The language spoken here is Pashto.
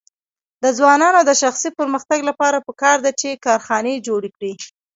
د ځوانانو د شخصي پرمختګ لپاره پکار ده چې کارخانې جوړې کړي.